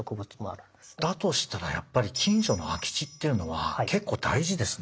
だとしたらやっぱり近所の空き地っていうのは結構大事ですね。